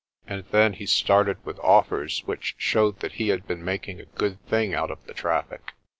And then he started with offers which showed that he had been making a good thing out of the traffic.